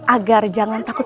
agar jangan takut